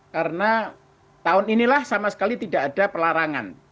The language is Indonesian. karena tahun inilah sama sekali tidak ada pelarangan